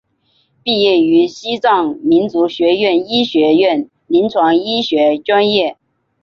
毕业于西藏民族学院医学院临床医学专业。